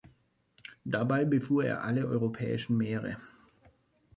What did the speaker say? Dabei befuhr er alle europäischen Meere.